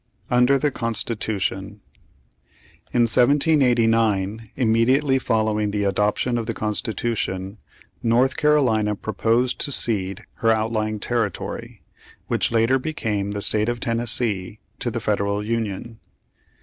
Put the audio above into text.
UNDER THE CONSTITUTION In 1789 immediately following the adoption of the Constitution, North Carolina proposed to cede her outlying territory, which later became the State of Tennessee, to the Federal Union.